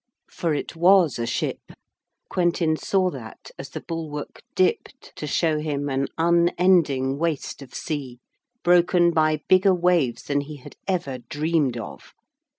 For it was a ship, Quentin saw that as the bulwark dipped to show him an unending waste of sea, broken by bigger waves than he had ever dreamed of.